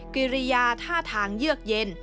กิริยาท่าทางเยือกเย็น